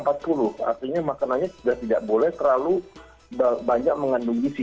artinya makanannya sudah tidak boleh terlalu banyak mengandung gizi